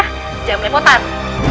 yah jangan melipotan